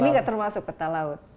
ini nggak termasuk peta laut